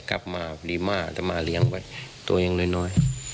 กลับมารีม่าจะมาเลี้ยงไว้ตัวยังน้อย